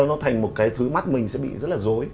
nó thành một cái thứ mắt mình sẽ bị rất là dối